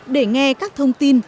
để nghe các thông tin